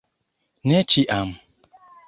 Ne ĉiam.